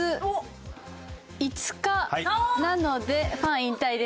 なのでファン引退です。